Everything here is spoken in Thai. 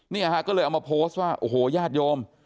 เนี่ยฮะก็เลยเอามาโพสต์ว่าโอ้โหญาติโยม